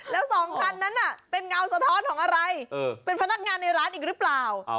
แล้วสองคันนั้นเป็นเงาสะท้อนของอะไรเป็นพนักงานในร้านอีกหรือเปล่า